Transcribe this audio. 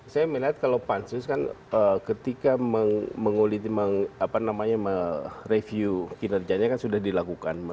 saya melihat kalau pansus kan ketika menguliti apa namanya mereview kinerjanya kan sudah dilakukan